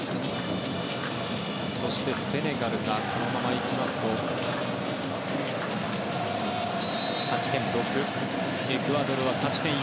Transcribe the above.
そしてセネガルがこのまま行きますと勝ち点６エクアドルは勝ち点４。